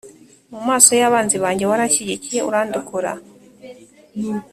Mu maso y’abanzi banjye waranshyigikiye, urandokora.